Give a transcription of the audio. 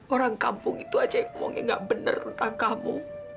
orang kampung itu saja yang bilang enggak benar tentang kamu